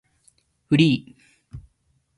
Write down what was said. フリー